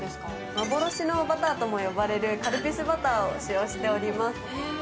幻のバターとも言われるカルピスバターを使用しております。